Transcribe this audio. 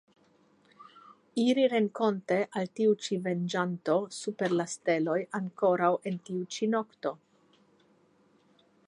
Iri renkonte al tiu ĉi venĝanto super la steloj ankoraŭ en tiu ĉi nokto!